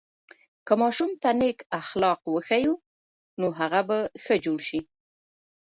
که ماشوم ته نیک اخلاق وښیو، نو هغه به ښه جوړ سي.